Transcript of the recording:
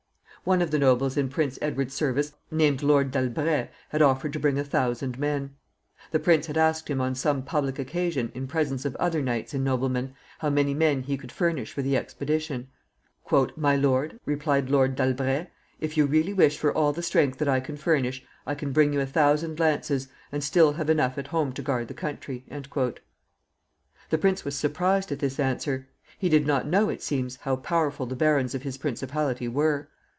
One of the nobles in Prince Edward's service, named Lord D'Albret, had offered to bring a thousand men. The prince had asked him on some public occasion, in presence of other knights and noblemen, how many men he could furnish for the expedition. "My lord," replied Lord D'Albret, "if you really wish for all the strength that I can furnish, I can bring you a thousand lances, and still have enough at home to guard the country." The prince was surprised at this answer. He did not know, it seems, how powerful the barons of his principality were.